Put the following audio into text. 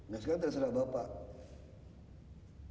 gak sekalian terserah bapak